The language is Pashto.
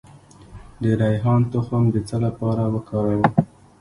د ریحان تخم د څه لپاره وکاروم؟